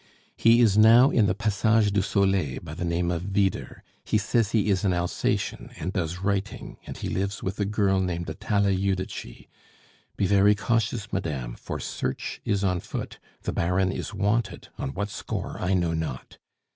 He is now in the Passage du Soleil by the name of Vyder. He says he is an Alsatian, and does writing, and he lives with a girl named Atala Judici. Be very cautious, madame, for search is on foot; the Baron is wanted, on what score I know not.